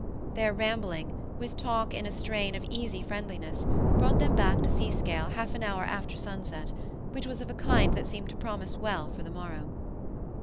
Their rambling, with talk in a strain of easy friendliness, brought them back to Seascale half an hour after sunset, which was of a kind that seemed to promise well for the morrow.